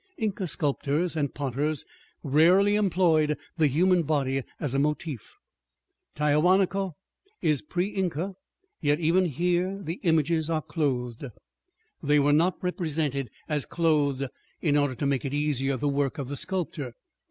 Inca sculptors and potters rarely employed the human body as a motif. Tiahuanaco is pre Inca, yet even here the images are clothed. They were not represented as clothed in order to make easier the work of the sculptor.